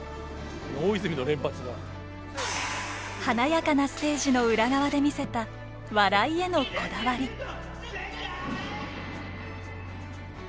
華やかなステージの裏側で見せた笑いへのこだわり。